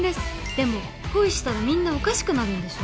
でも恋したらみんなおかしくなるんでしょ。